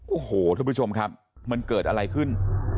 โอ้โหทุกผู้ชมครับมันเกิดอะไรขึ้น